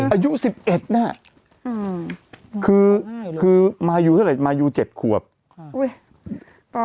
อายุสิบเอ็ดน่ะอืมคือคือมายูเท่าไหร่มายูเจ็ดขวบค่ะอุ้ย